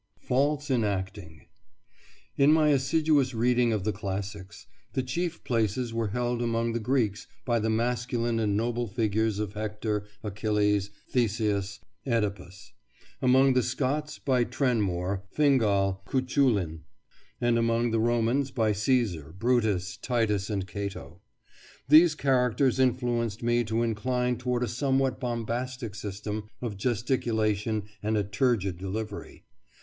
FAULTS IN ACTING In my assiduous reading of the classics, the chief places were held among the Greeks by the masculine and noble figures of Hector, Achilles, Theseus, Oedipus; among the Scots by Trenmor, Fingal, Cuchullin; and among the Romans by Caesar, Brutus, Titus, and Cato. These characters influenced me to incline toward a somewhat bombastic system of gesticulation and a turgid delivery.